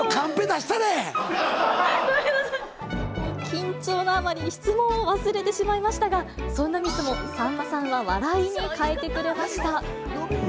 緊張のあまりに質問を忘れてしまいましたが、そんなミスもさんまさんは笑いに変えてくれました。